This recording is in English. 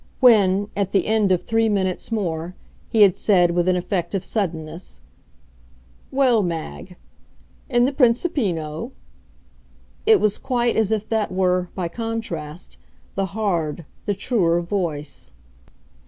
When, at the end of three minutes more, he had said, with an effect of suddenness, "Well, Mag and the Principino?" it was quite as if that were, by contrast, the hard, the truer voice.